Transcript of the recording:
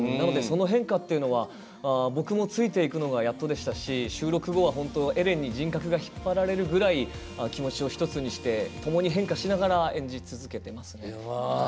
その変化っていうのは僕もついていくのがやっとでしたし、収録後はエレンに人格が引っ張られるくらい気持ちを一つにしてともに変化しながら演じ続けてますね。